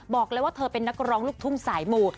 บอกเลยว่าเธอเป็นนักร้องลูกทุ่งสายหมู่